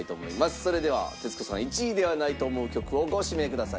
それでは徹子さん１位ではないと思う曲をご指名ください。